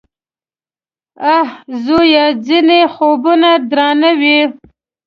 _اه ! زويه! ځينې خوبونه درانه وي.